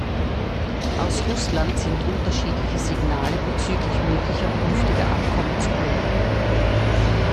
Aus Russland sind unterschiedliche Signale bezüglich möglicher künftiger Abkommen zu hören.